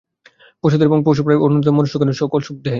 পশুদের এবং পশুপ্রায় অনুন্নত মনুষ্যগণের সকল সুখ দেহে।